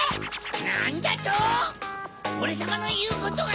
なんだと⁉オレさまのいうことがきけな。